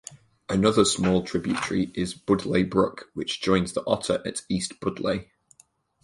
Another small tributary is Budleigh Brook, which joins the Otter at East Budleigh.